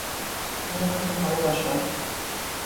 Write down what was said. তুমি আমাকে ভালবাসো।